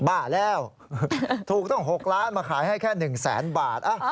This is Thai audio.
บ้าแล้วถูกต้อง๖ล้านมาขายให้แค่๑แสนบาท